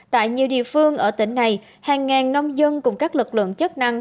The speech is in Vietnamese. tại nhiều địa phương ở tỉnh này hàng ngàn nông dân cùng các lực lượng chức năng